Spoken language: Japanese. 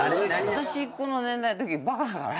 私この年代のときバカだから。